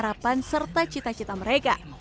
harapan serta cita cita mereka